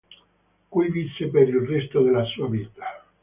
Qui visse per il resto della sua vita.